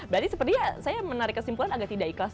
berarti sepertinya saya menarik kesimpulan agak tidak ikhlas